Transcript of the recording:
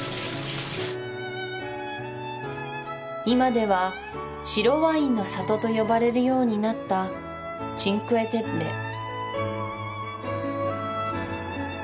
今では白ワインの里とよばれるようになったチンクエ・テッレ